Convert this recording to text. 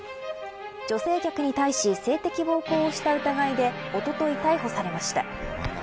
女性客に対し性的暴行をした疑いでおととい、逮捕されました。